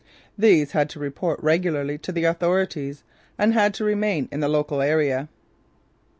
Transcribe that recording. These had to report regularly to the authorities and had to remain in the local area.